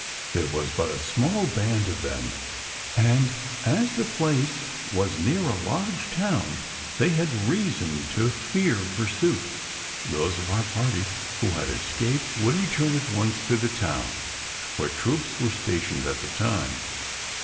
There was but a small band of them; and, as the place was near a large town, they had reason to fear pursuit. Those of our party who had escaped would return at once to the town where troops were stationed at the time.